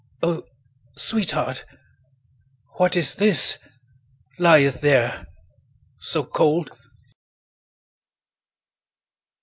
O sweetheart! what is this Lieth there so cold?